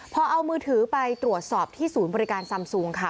พอเอามือถือไปตรวจสอบที่ศูนย์บริการซำซูงค่ะ